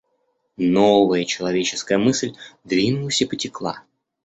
Новая человеческая мысль двинулась и потекла.